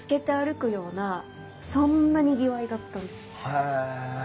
へえ。